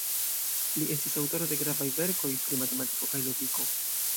Li estis aŭtoro de gravaj verkoj pri matematiko kaj logiko.